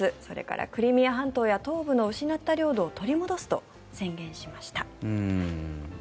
それからクリミア半島や東部の失った領土を取り戻すと宣言しました。